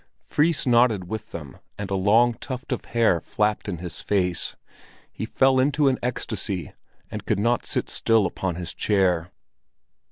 Fris nodded with them, and a long tuft of hair flapped in his face; he fell into an ecstasy, and could not sit still upon his chair.